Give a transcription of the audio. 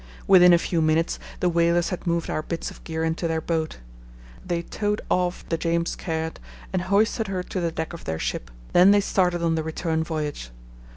Within a few minutes the whalers had moved our bits of gear into their boat. They towed off the James Caird and hoisted her to the deck of their ship. Then they started on the return voyage.